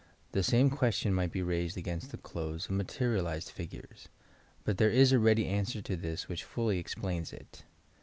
The same question might be raised against the clothes of materialized fig ures. But there is a ready answer to this which fully explains it.